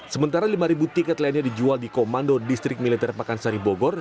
sementara lima tiket lainnya dijual di komando distrik militer pakansari bogor